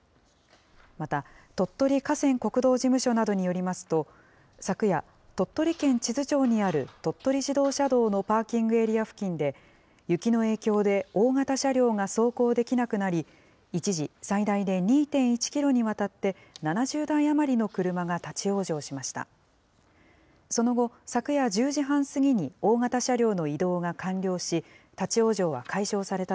また、鳥取河川国道事務所などによりますと、昨夜、鳥取県智頭町にある鳥取自動車道のパーキングエリア付近で、雪の影響で大型車両が走行できなくなり、一時最大で２．１キロにわたって７０台余りの車が立往生しました。